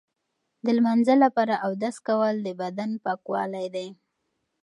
د لمانځه لپاره اودس کول د بدن پاکوالی دی.